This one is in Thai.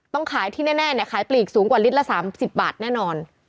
ต้องขายที่แน่ขายปลีกสูงกว่าลิตรละ๓๐บาทแน่นอน